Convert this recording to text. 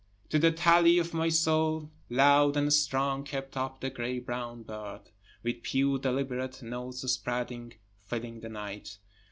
15 To the tally of my soul, Loud and strong kept up the gray brown bird, With pure deliberate notes spreading filling the night.